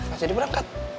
gak jadi berangkat